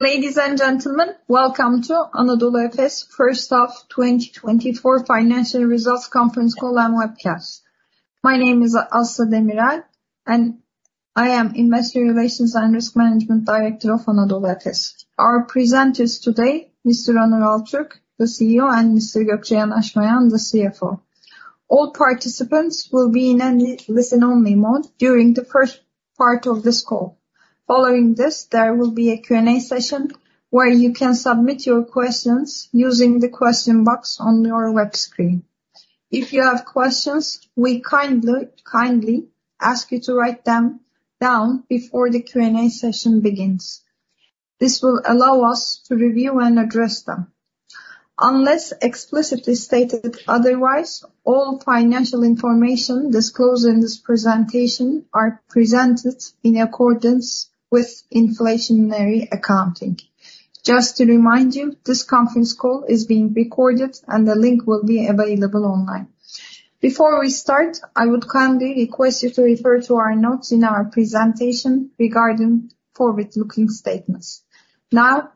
Ladies and gentlemen, welcome to Anadolu Efes First Half 2024 Financial Results Conference Call and Webcast. My name is Aslı Demirel, and I am Investor Relations and Risk Management Director of Anadolu Efes. Our presenters today, Mr. Onur Altürk, the CEO, and Mr. Gökçe Yanaşmayan, the CFO. All participants will be in listen-only mode during the first part of this call. Following this, there will be a Q&A session, where you can submit your questions using the question box on your web screen. If you have questions, we kindly ask you to write them down before the Q&A session begins. This will allow us to review and address them. Unless explicitly stated otherwise, all financial information disclosed in this presentation are presented in accordance with inflationary accounting. Just to remind you, this conference call is being recorded and the link will be available online. Before we start, I would kindly request you to refer to our notes in our presentation regarding forward-looking statements. Now,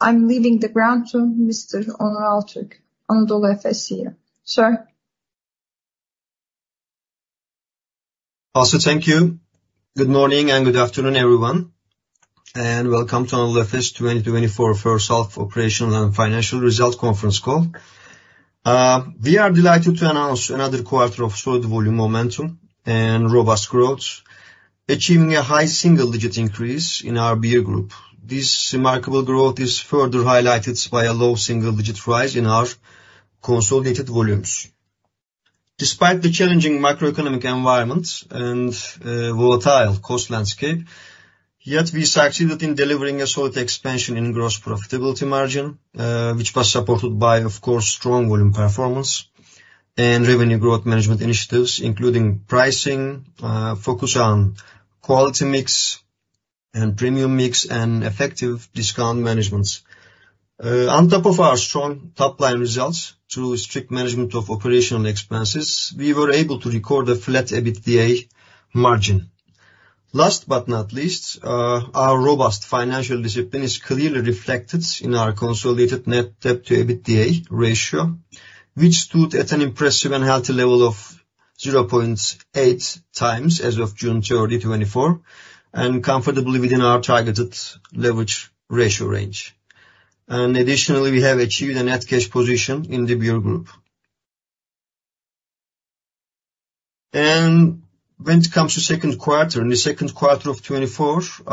I'm handing the floor to Mr. Onur Altürk, Anadolu Efes CEO. Sir? Also, thank you. Good morning, and good afternoon, everyone, and welcome to Anadolu Efes 2024 first half operational and financial results conference call. We are delighted to announce another quarter of solid volume momentum and robust growth, achieving a high single-digit increase in our Beer Group. This remarkable growth is further highlighted by a low single-digit rise in our consolidated volumes. Despite the challenging macroeconomic environment and volatile cost landscape, yet we succeeded in delivering a solid expansion in gross profitability margin, which was supported by, of course, strong volume performance and revenue growth management initiatives, including pricing, focus on quality mix and premium mix, and effective discount managements. On top of our strong top-line results, through strict management of operational expenses, we were able to record a flat EBITDA margin. Last but not least, our robust financial discipline is clearly reflected in our consolidated net debt to EBITDA ratio, which stood at an impressive and healthy level of 0.8x as of June 30, 2024, and comfortably within our targeted leverage ratio range. Additionally, we have achieved a net cash position in the Beer Group. When it comes to second quarter, in the second quarter of 2024,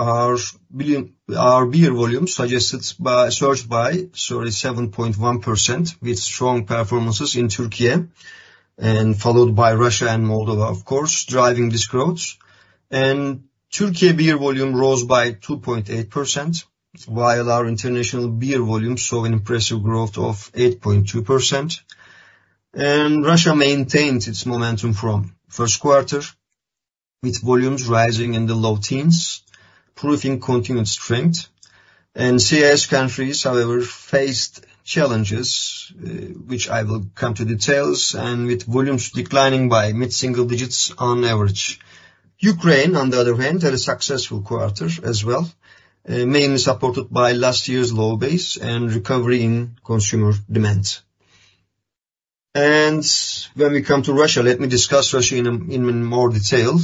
our beer volume surged by 7.1%, with strong performances in Türkiye followed by Russia and Moldova, of course, driving this growth. Türkiye beer volume rose by 2.8%, while our international beer volume saw an impressive growth of 8.2%. Russia maintained its momentum from first quarter, with volumes rising in the low teens, proving continued strength. CIS countries, however, faced challenges, which I will come to details, and with volumes declining by mid-single digits on average. Ukraine, on the other hand, had a successful quarter as well, mainly supported by last year's low base and recovery in consumer demand. When we come to Russia, let me discuss Russia in more detail.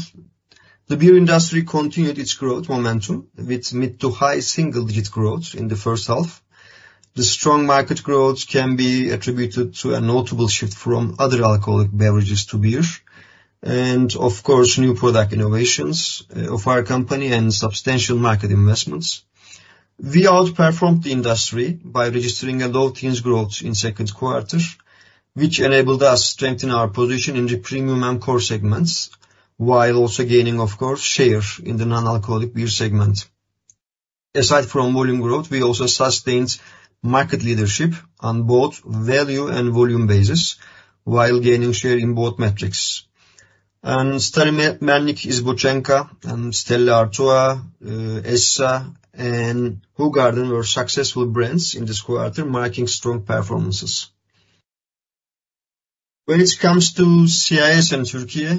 The beer industry continued its growth momentum with mid to high single-digit growth in the first half. The strong market growth can be attributed to a notable shift from other alcoholic beverages to beer, and of course, new product innovations of our company and substantial market investments. We outperformed the industry by registering a low teens growth in second quarter, which enabled us to strengthen our position in the premium and core segments, while also gaining, of course, share in the non-alcoholic beer segment. Aside from volume growth, we also sustained market leadership on both value and volume basis, while gaining share in both metrics, and Stary Melnik, Iz Bochonka, and Stella Artois, Essa, and Hoegaarden were successful brands in this quarter, marking strong performances. When it comes to CIS and Türkiye,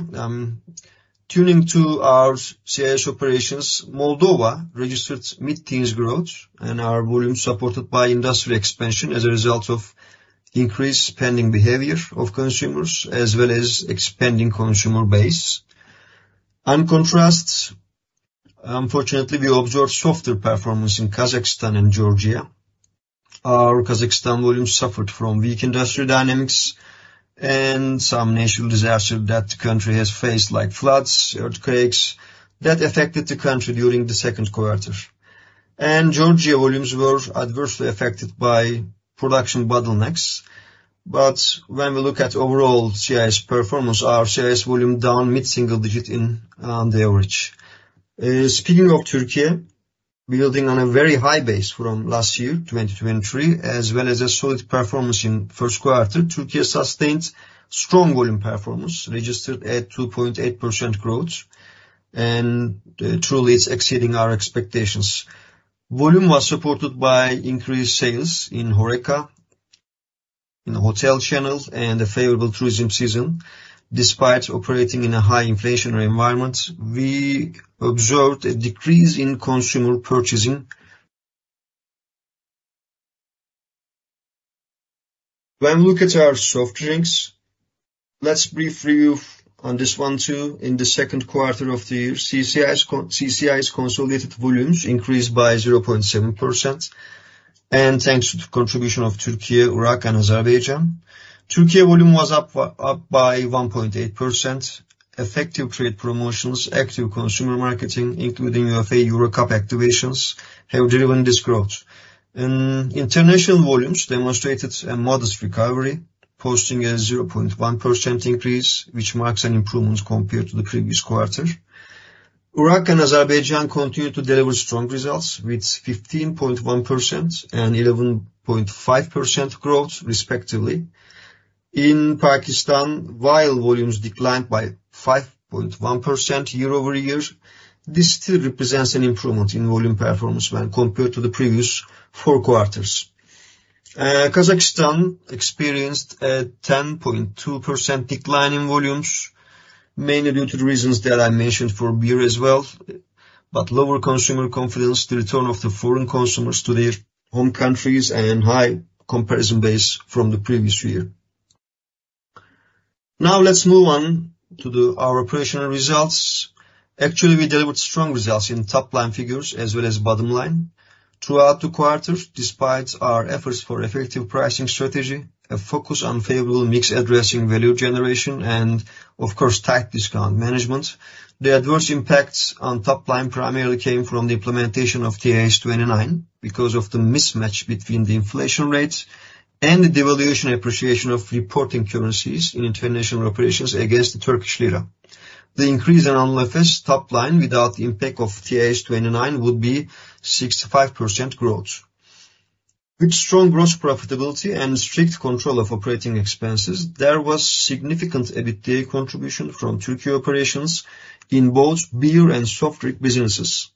turning to our CIS operations, Moldova registered mid-teens growth, and our volume supported by industry expansion as a result of increased spending behavior of consumers, as well as expanding consumer base. In contrast, unfortunately, we observed softer performance in Kazakhstan and Georgia. Our Kazakhstan volume suffered from weak industry dynamics and some natural disaster that the country has faced, like floods, earthquakes, that affected the country during the second quarter, and Georgia volumes were adversely affected by production bottlenecks, but when we look at overall CIS performance, our CIS volume down mid-single digit on average. Speaking of Türkiye, building on a very high base from last year, 2023, as well as a solid performance in first quarter, Türkiye sustained strong volume performance, registered at 2.8% growth, and truly it's exceeding our expectations. Volume was supported by increased sales in HoReCa in the hotel channels and a favorable tourism season. Despite operating in a high inflationary environment, we observed a decrease in consumer purchasing. When we look at our soft drinks, let's brief review on this one, too. In the second quarter of the year, CCI's consolidated volumes increased by 0.7%, and thanks to the contribution of Türkiye, Iraq, and Azerbaijan. Türkiye volume was up by 1.8%. Effective trade promotions, active consumer marketing, including UEFA Euro Cup activations, have driven this growth. International volumes demonstrated a modest recovery, posting a 0.1% increase, which marks an improvement compared to the previous quarter. Iraq and Azerbaijan continue to deliver strong results, with 15.1% and 11.5% growth, respectively. In Pakistan, while volumes declined by 5.1% year-over-year, this still represents an improvement in volume performance when compared to the previous four quarters. Kazakhstan experienced a 10.2% decline in volumes, mainly due to the reasons that I mentioned for beer as well, but lower consumer confidence, the return of the foreign consumers to their home countries, and high comparison base from the previous year. Now let's move on to our operational results. Actually, we delivered strong results in top-line figures as well as bottom line throughout the quarter. Despite our efforts for effective pricing strategy, a focus on favorable mix addressing value generation, and of course, tax discount management, the adverse impacts on top line primarily came from the implementation of TAS 29. Because of the mismatch between the inflation rates and the devaluation and appreciation of reporting currencies in international operations against the Turkish lira. The increase in Efes top line without the impact of TAS 29 would be 65% growth. With strong gross profitability and strict control of operating expenses, there was significant EBITDA contribution from Turkey operations in both beer and soft drink businesses.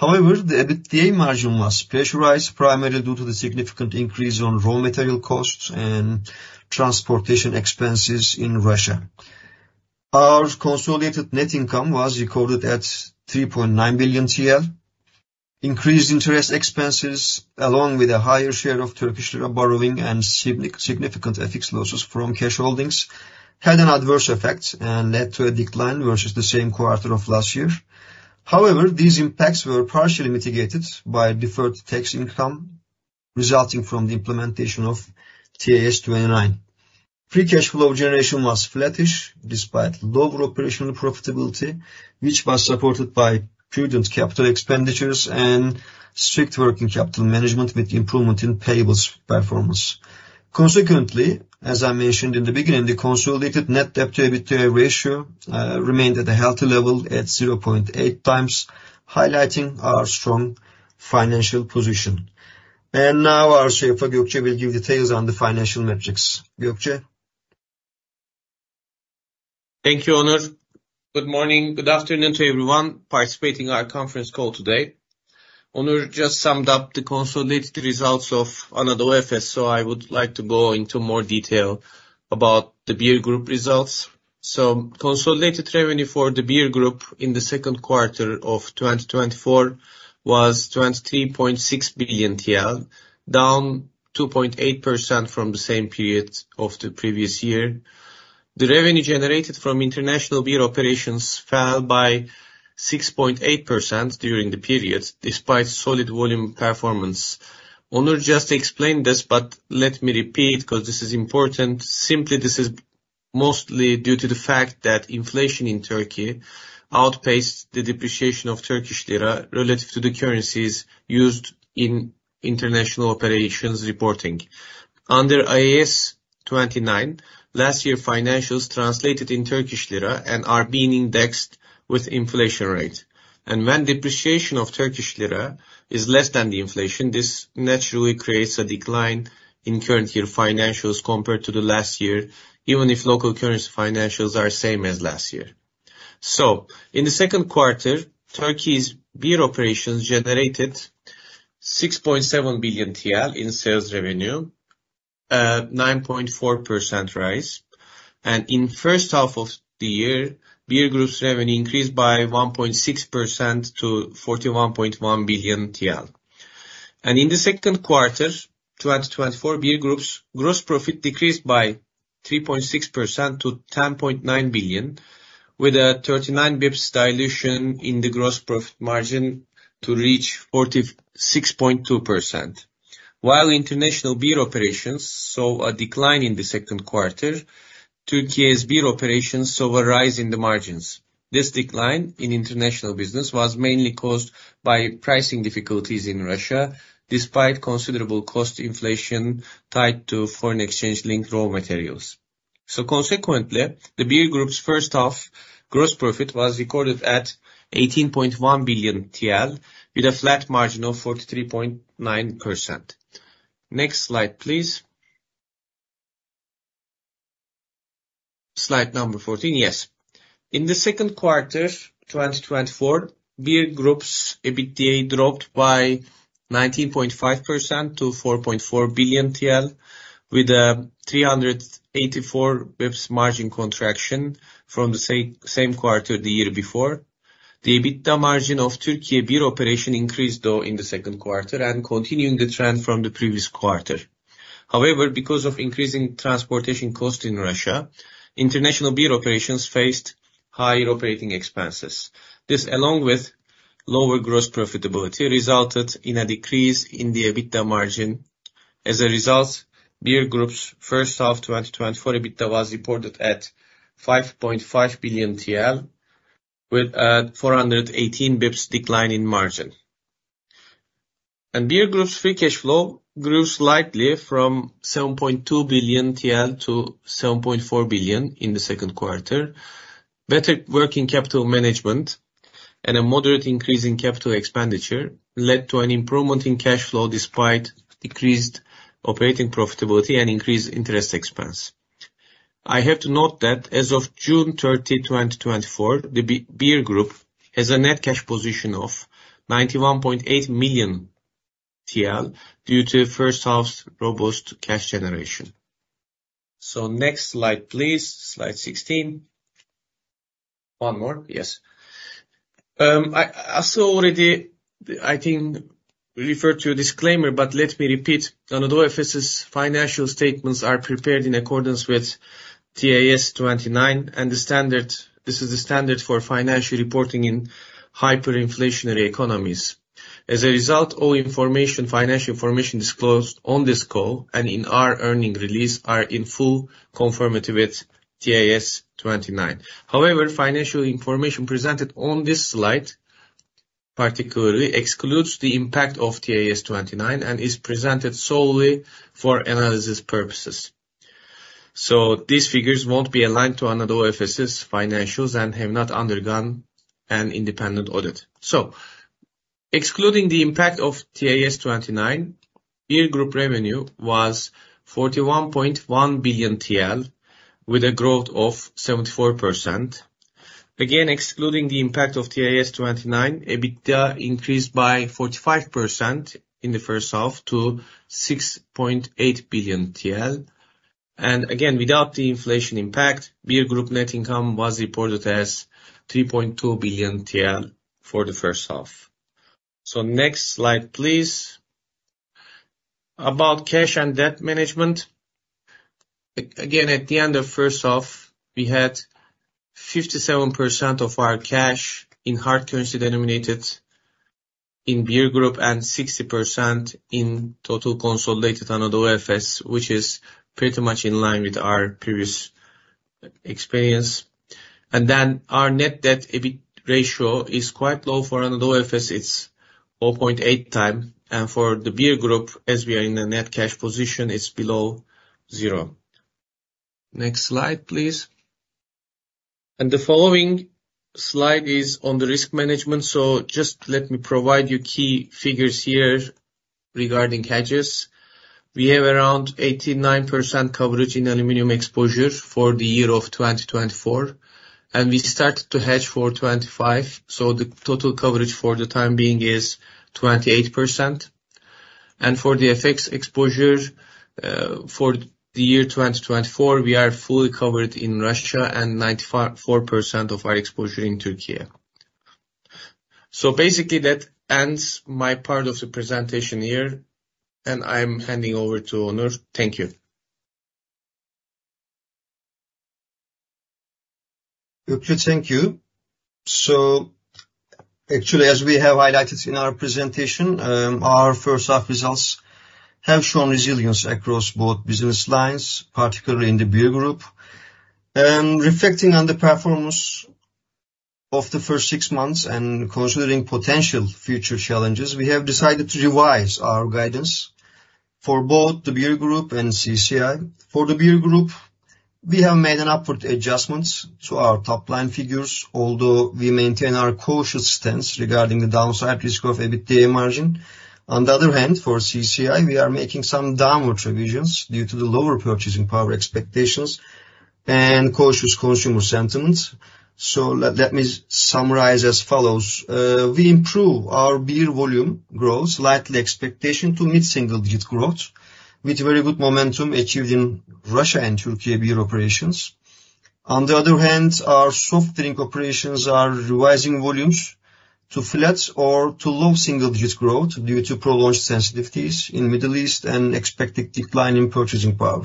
However, the EBITDA margin was pressurized primarily due to the significant increase on raw material costs and transportation expenses in Russia. Our consolidated net income was recorded at 3.9 billion TL. Increased interest expenses, along with a higher share of Turkish lira borrowing and significant FX losses from cash holdings, had an adverse effect and led to a decline versus the same quarter of last year. However, these impacts were partially mitigated by deferred tax income resulting from the implementation of TAS 29. Free cash flow generation was flattish, despite lower operational profitability, which was supported by prudent capital expenditures and strict working capital management with improvement in payables performance. Consequently, as I mentioned in the beginning, the consolidated net debt to EBITDA ratio remained at a healthy level at 0.8x, highlighting our strong financial position. And now our CFO, Gökçe, will give details on the financial metrics. Gökçe? Thank you, Onur. Good morning. Good afternoon to everyone participating in our conference call today. Onur just summed up the consolidated results of Anadolu Efes, so I would like to go into more detail about the Beer Group results. Consolidated revenue for the Beer Group in the second quarter of 2024 was 23.6 billion TL, down 2.8% from the same period of the previous year. The revenue generated from international beer operations fell by 6.8% during the period, despite solid volume performance. Onur just explained this, but let me repeat, because this is important. Simply, this is mostly due to the fact that inflation in Turkey outpaced the depreciation of Turkish lira relative to the currencies used in international operations reporting. Under IAS 29, last year, financials translated in Turkish lira and are being indexed with inflation rate. When depreciation of Turkish lira is less than the inflation, this naturally creates a decline in current year financials compared to the last year, even if local currency financials are same as last year. In the second quarter, Turkey's beer operations generated 6.7 billion TL in sales revenue, 9.4% rise. In first half of the year, Beer Group's revenue increased by 1.6% to 41.1 billion TL. In the second quarter, 2024, Beer Group's gross profit decreased by 3.6% to 10.9 billion, with a 39 basis points dilution in the gross profit margin to reach 46.2%. While international beer operations saw a decline in the second quarter, Turkey's beer operations saw a rise in the margins. This decline in international business was mainly caused by pricing difficulties in Russia, despite considerable cost inflation tied to foreign exchange-linked raw materials. So consequently, the Beer Group's first half gross profit was recorded at 18.1 billion TL, with a flat margin of 43.9%. Next slide, please. Slide number 14, yes. In the second quarter 2024, Beer Group's EBITDA dropped by 19.5% to 4.4 billion TL, with a 384 basis points margin contraction from the same quarter the year before. The EBITDA margin of Turkey beer operation increased, though, in the second quarter and continuing the trend from the previous quarter. However, because of increasing transportation costs in Russia, international beer operations faced higher operating expenses. This, along with lower gross profitability, resulted in a decrease in the EBITDA margin. As a result, Beer Group's first half 2024 EBITDA was reported at 5.5 billion TL, with a 418 basis points decline in margin, and Beer Group's free cash flow grew slightly from 7.2 billion TL- 7.4 billion in the second quarter. Better working capital management and a moderate increase in capital expenditure led to an improvement in cash flow, despite decreased operating profitability and increased interest expense. I have to note that as of June 30, 2024, the Beer Group has a net cash position of 91.8 million TL, due to first half's robust cash generation. So next slide, please. Slide 16. One more. Yes. I saw already, I think, referred to disclaimer, but let me repeat. Anadolu Efes' financial statements are prepared in accordance with TAS 29 and the standard. This is the standard for financial reporting in hyperinflationary economies. As a result, all information, financial information disclosed on this call and in our earnings release are in full conformity with TAS 29. However, financial information presented on this slide particularly excludes the impact of TAS 29 and is presented solely for analysis purposes, so these figures won't be aligned to Anadolu Efes' financials and have not undergone an independent audit, so excluding the impact of TAS 29, Beer Group revenue was 41.1 billion TL, with a growth of 74%. Again, excluding the impact of TAS 29, EBITDA increased by 45% in the first half to 6.8 billion TL. Again, without the inflation impact, Beer Group net income was reported as 3.2 billion TL for the first half. Next slide, please. About cash and debt management. Again, at the end of first half, we had 57% of our cash in hard currency denominated in Beer Group, and 60% in total consolidated Anadolu Efes, which is pretty much in line with our previous experience. Then our net debt EBITDA ratio is quite low. For Anadolu Efes, it's 4.8x, and for the Beer Group, as we are in a net cash position, it's below zero. Next slide, please. The following slide is on the risk management, so just let me provide you key figures here regarding hedges. We have around 89% coverage in aluminum exposure for the year of 2024, and we started to hedge for 2025, so the total coverage for the time being is 28%. For the FX exposure, for the year 2024, we are fully covered in Russia and 94% of our exposure in Türkiye. Basically, that ends my part of the presentation here, and I'm handing over to Onur. Thank you. Okay, thank you. So actually, as we have highlighted in our presentation, our first half results have shown resilience across both business lines, particularly in the Beer Group. Reflecting on the performance of the first six months and considering potential future challenges, we have decided to revise our guidance for both the Beer Group and CCI. For the Beer Group, we have made an upward adjustment to our top line figures, although we maintain our cautious stance regarding the downside risk of EBITDA margin. On the other hand, for CCI, we are making some downward revisions due to the lower purchasing power expectations and cautious consumer sentiment. So let me summarize as follows: we improve our beer volume growth slightly expectation to mid-single digit growth, with very good momentum achieved in Russia and Turkey beer operations. On the other hand, our soft drink operations are revising volumes to flat or to low single digit growth due to prolonged sensitivities in Middle East and expected decline in purchasing power.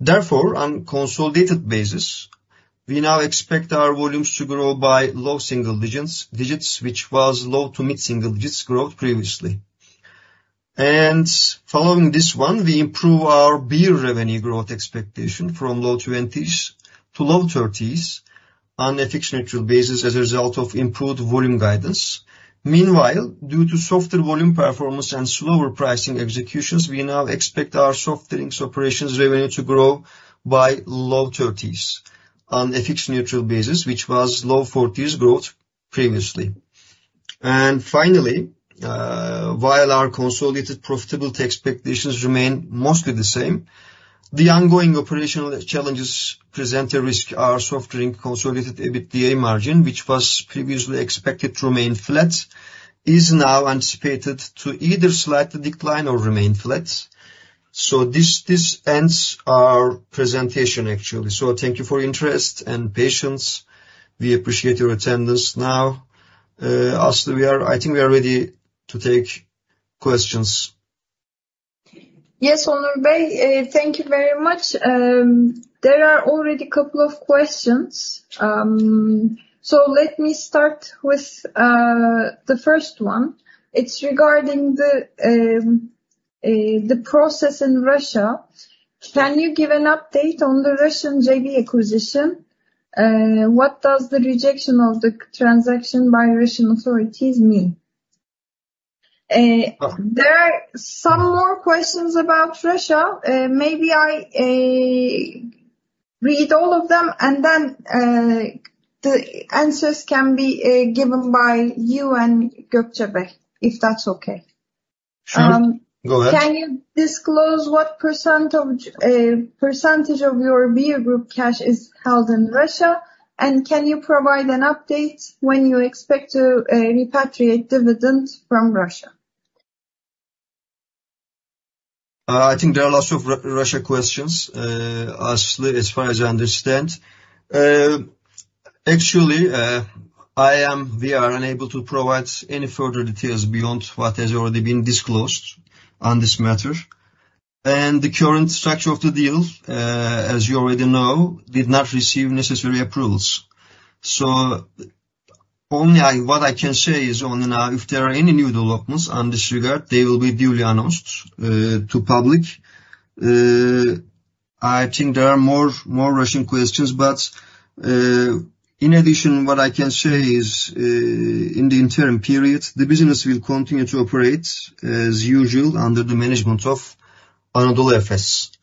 Therefore, on consolidated basis, we now expect our volumes to grow by low single digits, which was low to mid-single digits growth previously. Following this one, we improve our beer revenue growth expectation from low 20s to low 30s on a fixed neutral basis as a result of improved volume guidance. Meanwhile, due to softer volume performance and slower pricing executions, we now expect our soft drinks operations revenue to grow by low 30s on a fixed neutral basis, which was low 40s growth previously. Finally, while our consolidated profitability expectations remain mostly the same, the ongoing operational challenges present a risk. Our soft drink consolidated EBITDA margin, which was previously expected to remain flat, is now anticipated to either slightly decline or remain flat. So this ends our presentation actually. Thank you for your interest and patience. We appreciate your attendance. Now, Aslı, I think we are ready to take questions. Yes, Onur Bey, thank you very much. There are already a couple of questions. So let me start with the first one. It's regarding the process in Russia. Can you give an update on the Russian JV acquisition? What does the rejection of the transaction by Russian authorities mean? There are some more questions about Russia. Maybe I read all of them, and then the answers can be given by you and Gökçe Bey, if that's okay. Sure. Go ahead. Can you disclose what percentage of your Beer Group cash is held in Russia? And can you provide an update when you expect to repatriate dividends from Russia? I think there are lots of Russia questions, Aslı, as far as I understand. Actually, we are unable to provide any further details beyond what has already been disclosed on this matter. And the current structure of the deal, as you already know, did not receive necessary approvals. So only I... What I can say is only now, if there are any new developments on this regard, they will be duly announced to public. I think there are more Russian questions, but in addition, what I can say is, in the interim period, the business will continue to operate as usual, under the management of Anadolu Efes.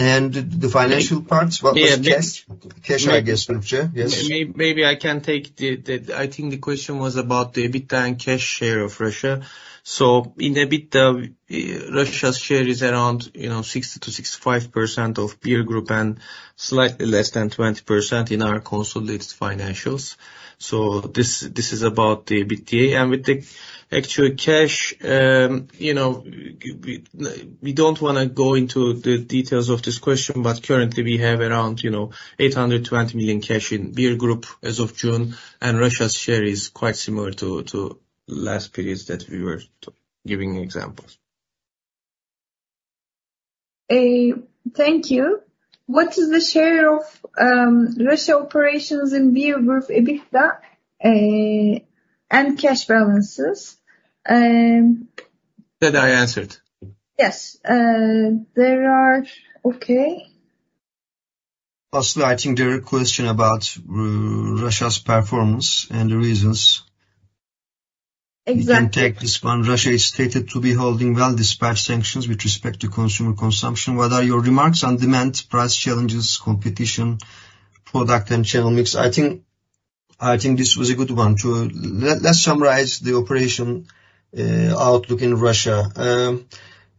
And the financial part, what was cash? Cash, I guess, Gökçe. Yes. Maybe I can take the. I think the question was about the EBITDA and cash share of Russia. So in EBITDA, Russia's share is around, you know, 60%-65% of Beer Group and slightly less than 20% in our consolidated financials. So this is about the EBITDA. And with the actual cash, you know, we don't want to go into the details of this question, but currently we have around, you know, 820 million cash in Beer Group as of June, and Russia's share is quite similar to last period that we were giving examples. Thank you. What is the share of Russia operations in Beer Group EBITDA, and cash balances? That I answered. Yes. There are... Okay. Aslı, I think there are a question about Russia's performance and the reasons. Exactly. You can take this one. Russia is stated to be holding well despite sanctions with respect to consumer consumption. What are your remarks on demand, price challenges, competition, product, and channel mix? I think this was a good one to... Let's summarize the operation, outlook in Russia.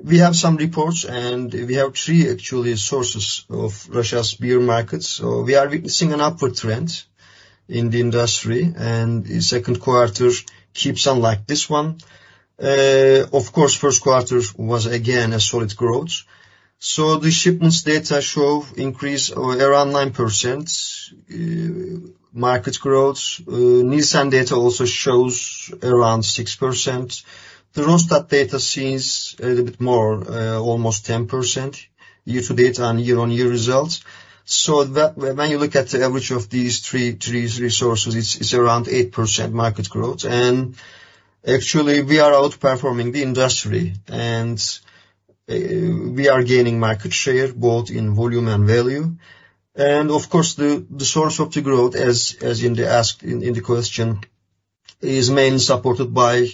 We have some reports, and we have three actually, sources of Russia's beer markets. So we are witnessing an upward trend in the industry, and the second quarter keeps on like this one. Of course, first quarter was again, a solid growth. So the shipments data show increase of around 9%, market growth. Nielsen data also shows around 6%. The Rosstat data sees a little bit more, almost 10% year to date on year-on-year results. So that, when you look at the average of these three resources, it's around 8% market growth. And actually, we are outperforming the industry, and we are gaining market share both in volume and value. And of course, the source of the growth, as in the ask in the question, is mainly supported by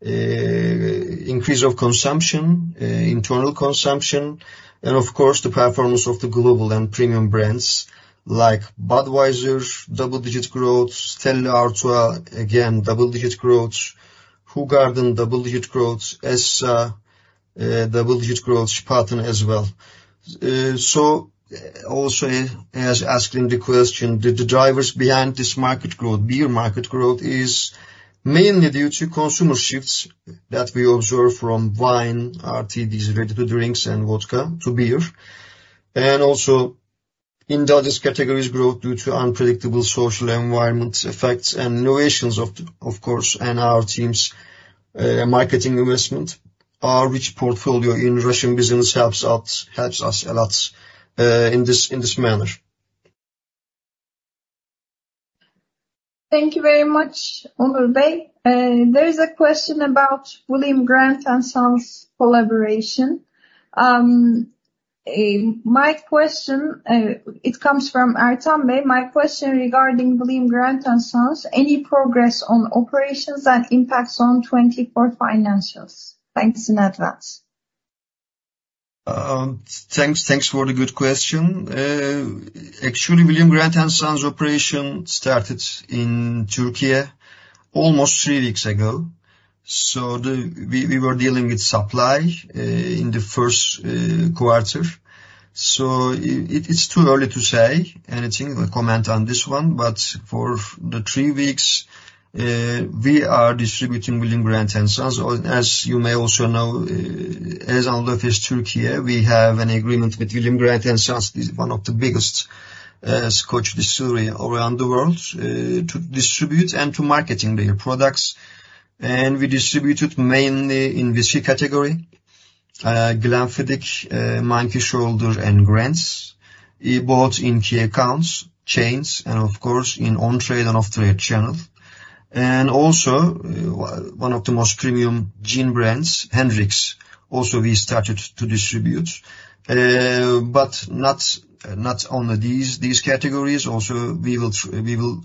increase of consumption, internal consumption, and of course, the performance of the global and premium brands like Budweiser, double-digit growth, Stella Artois, again, double-digit growth, Hoegaarden, double-digit growth, Essa, double-digit growth, Spaten as well. So also, as asked in the question, the drivers behind this market growth, beer market growth, is mainly due to consumer shifts that we observe from wine, RTDs, ready-to-drink and vodka to beer. Also in other categories, growth due to unpredictable social environment effects and innovations, of course, and our teams' marketing investment. Our rich portfolio in Russian business helps out, helps us a lot, in this, in this manner. Thank you very much, Onur Bey. There is a question about William Grant & Sons collaboration. My question, it comes from Ertan Bey. My question regarding William Grant & Sons, any progress on operations that impacts on 2024 financials? Thanks in advance. Thanks, thanks for the good question. Actually, William Grant & Sons operation started in Türkiye almost three weeks ago. So we were dealing with supply in the first quarter. So it's too early to say anything, or comment on this one. But for the three weeks, we are distributing William Grant & Sons, or as you may also know, as Anheuser-Busch Türkiye, we have an agreement with William Grant & Sons, is one of the biggest scotch distillery around the world, to distribute and to marketing their products. And we distributed mainly in whiskey category, Glenfiddich, Monkey Shoulder, and Grant's, both in key accounts, chains, and of course, in on-trade and off-trade channel. And also, one of the most premium gin brands, Hendrick's, also we started to distribute. But not only these categories, also we will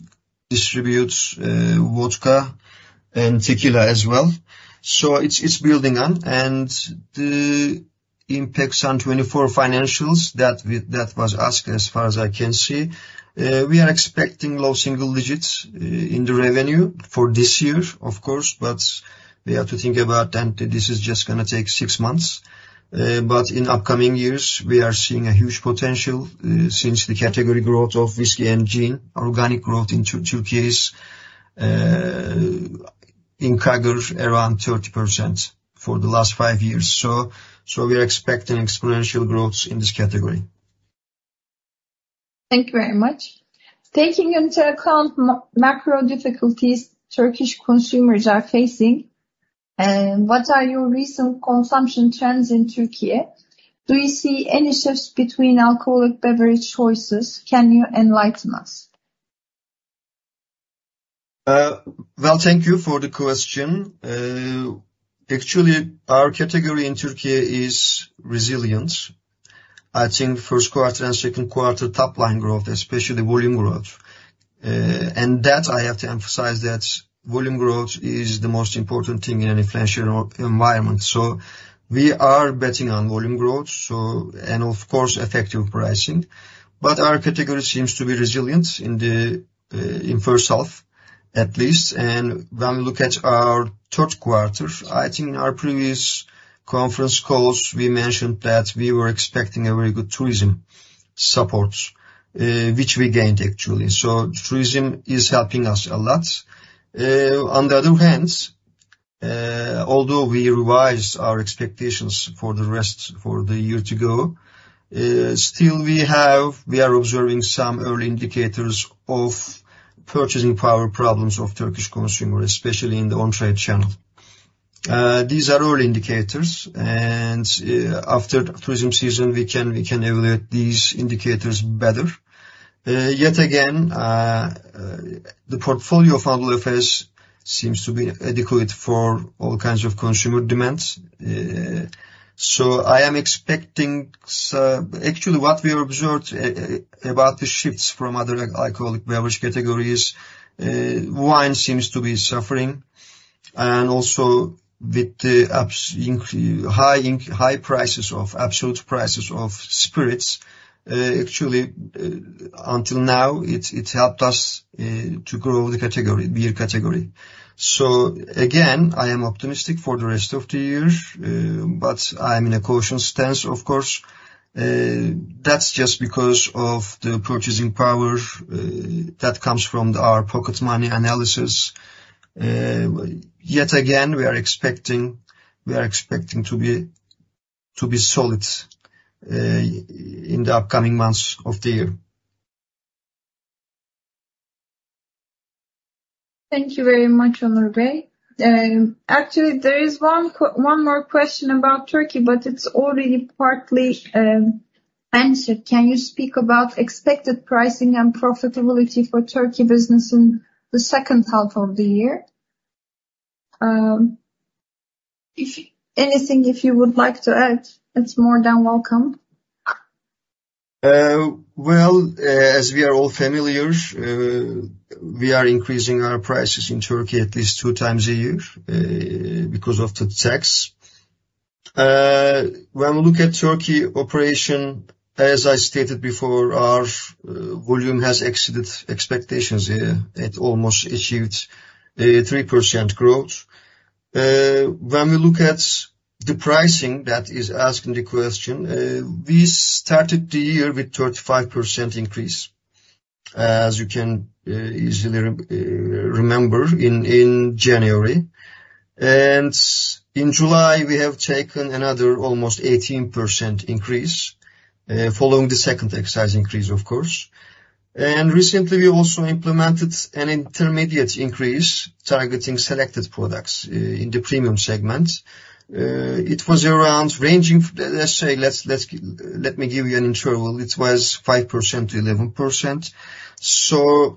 distribute vodka and tequila as well. So it's building on, and the impacts on 2024 financials that was asked, as far as I can see, we are expecting low single digits in the revenue for this year, of course, but we have to think about, and this is just gonna take six months. But in upcoming years, we are seeing a huge potential since the category growth of whiskey and gin. Organic growth in Türkiye is in CAGR around 30% for the last five years. So we are expecting exponential growth in this category. Thank you very much. Taking into account macro difficulties Turkish consumers are facing, what are your recent consumption trends in Türkiye? Do you see any shifts between alcoholic beverage choices? Can you enlighten us? Well, thank you for the question. Actually, our category in Türkiye is resilience. I think first quarter and second quarter top-line growth, especially volume growth. And that, I have to emphasize that volume growth is the most important thing in an inflationary environment. So we are betting on volume growth, so, and of course, effective pricing. But our category seems to be resilient in the first half, at least. And when we look at our third quarter, I think in our previous conference calls, we mentioned that we were expecting a very good tourism support, which we gained actually. So tourism is helping us a lot. On the other hand, although we revised our expectations for the rest, for the year to go, still we have-- we are observing some early indicators of purchasing power problems of Turkish consumers, especially in the on-trade channel. These are all indicators, and, after tourism season, we can, we can evaluate these indicators better. Yet again, the portfolio of Anheuser-Busch seems to be adequate for all kinds of consumer demands. So I am expecting, so-- Actually, what we observed about the shifts from other alcoholic beverage categories, wine seems to be suffering. And also with the absolute prices of spirits, actually, until now, it's helped us to grow the category, beer category. So again, I am optimistic for the rest of the year, but I'm in a caution stance, of course. That's just because of the purchasing power that comes from our pocket money analysis. Yet again, we are expecting to be solid in the upcoming months of the year. Thank you very much, Onur Bey. Actually, there is one more question about Türkiye, but it's already partly answered. Can you speak about expected pricing and profitability for Türkiye business in the second half of the year? If anything, if you would like to add, it's more than welcome. As we are all familiar, we are increasing our prices in Türkiye at least two times a year because of the tax. When we look at Türkiye operation, as I stated before, our volume has exceeded expectations. It almost achieved 3% growth. When we look at the pricing that is asking the question, we started the year with 35% increase, as you can easily remember in January. In July, we have taken another almost 18% increase following the second excise increase, of course. Recently, we also implemented an intermediate increase, targeting selected products in the premium segment. It was around ranging, let's say, let me give you an interval. It was 5%-11%.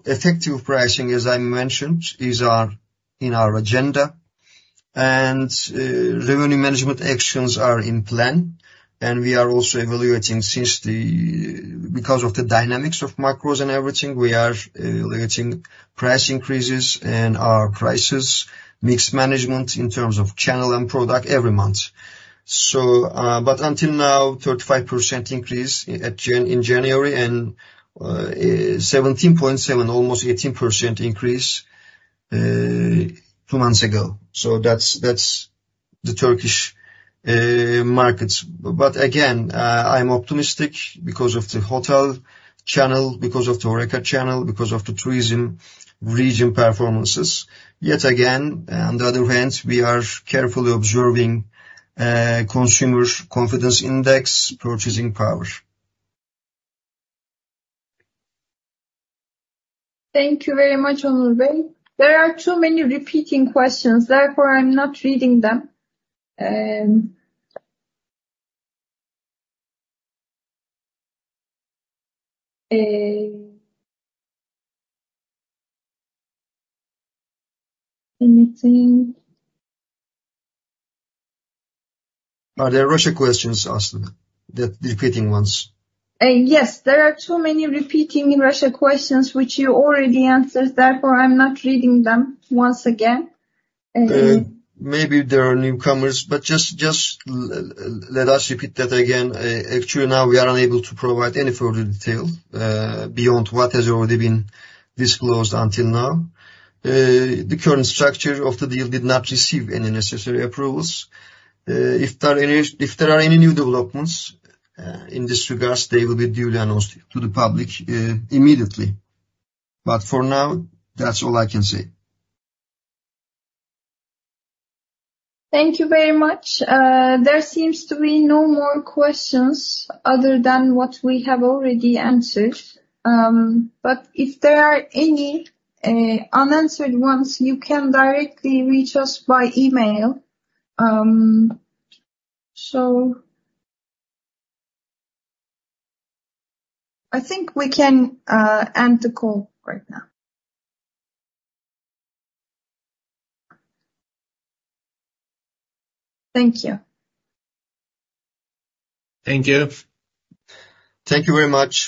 Effective pricing, as I mentioned, is in our agenda. Revenue management actions are in plan, and we are also evaluating because of the dynamics of mix and everything, price increases and price mix management in terms of channel and product every month. But until now, 35% increase in January, and 17.7%, almost 18% increase two months ago. That's the Turkish markets. But again, I'm optimistic because of the hotel channel, because of the HoReCa channel, because of the tourism region performances. Yet again, on the other hand, we are carefully observing consumer's confidence index, purchasing power. Thank you very much, Onur Bey. There are too many repeating questions, therefore, I'm not reading them... Anything? Are they Russia questions, Aslı, the repeating ones? Yes, there are too many repeating Russia questions which you already answered, therefore, I'm not reading them once again. Maybe there are newcomers, but let us repeat that again. Actually, now we are unable to provide any further detail beyond what has already been disclosed until now. The current structure of the deal did not receive any necessary approvals. If there are any new developments in this regards, they will be duly announced to the public immediately. For now, that's all I can say. Thank you very much. There seems to be no more questions other than what we have already answered. But if there are any unanswered ones, you can directly reach us by email. So I think we can end the call right now. Thank you. Thank you. Thank you very much.